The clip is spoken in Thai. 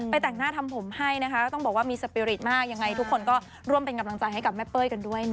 แต่งหน้าทำผมให้นะคะก็ต้องบอกว่ามีสปีริตมากยังไงทุกคนก็ร่วมเป็นกำลังใจให้กับแม่เป้ยกันด้วยนะ